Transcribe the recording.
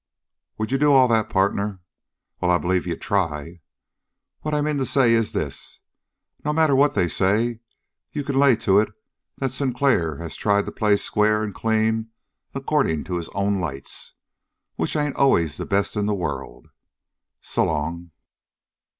"Would you do all of that, partner? Well, I believe you'd try. What I mean to say is this: No matter what they say, you can lay to it that Sinclair has tried to play square and clean according to his own lights, which ain't always the best in the world. So long!"